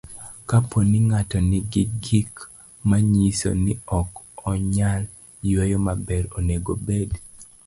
Kapo ni ng'ato nigi gik manyiso ni ok onyal yueyo maber, onego obed